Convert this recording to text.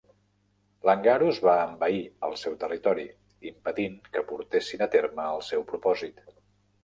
Langarus va envair el seu territori, impedint que portessin a terme el seu propòsit.